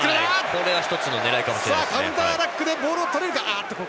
これは１つの狙いかもしれないですね。